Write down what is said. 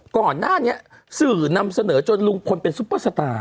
ก่อนหน้านี้สื่อนำเสนอจนลุงพลเป็นซุปเปอร์สตาร์